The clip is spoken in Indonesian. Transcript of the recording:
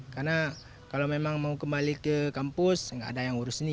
karena kalau memang mau kembali ke kampus gak ada yang urusin ini